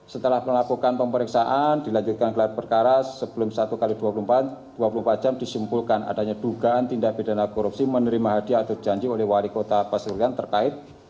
setelah melakukan pemeriksaan dilanjutkan gelar perkara sebelum satu x dua puluh empat jam disimpulkan adanya dugaan tindak pidana korupsi menerima hadiah atau janji oleh wali kota pasuruan terkait